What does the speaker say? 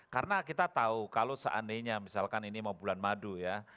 karena kita tahu kalau seandainya misalkan ini mau bulan madu ya